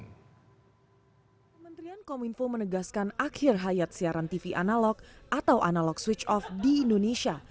kementerian kominfo menegaskan akhir hayat siaran tv analog atau analog switch off di indonesia